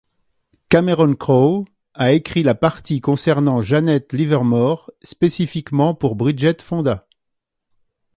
Cameron Crowe a écrit la partie concernant Janet Livermore spécifiquement pour Bridget Fonda.